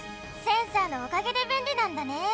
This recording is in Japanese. センサーのおかげでべんりなんだね！